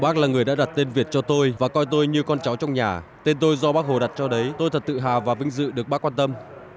bác là người đã đặt tên việt cho tôi và coi tôi như con cháu trong nhà tên tôi do bác hồ đặt cho đấy tôi thật tự hào và vinh dự được bác quan tâm